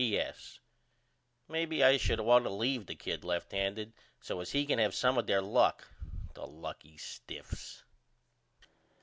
P.S. Maybe I should ought to leave the kid left handed so as he can have some of their luck. The lucky stiffs.